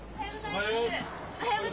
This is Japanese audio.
おはよう！